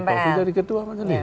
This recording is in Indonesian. menjelang pak taufik jadi ketua mnn